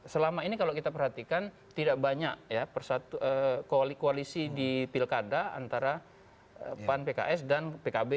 selama ini kalau kita perhatikan tidak banyak koalisi di pilkada antara pan pks dan pkb